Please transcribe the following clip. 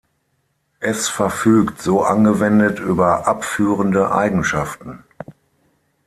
Es verfügt so angewendet über abführende Eigenschaften.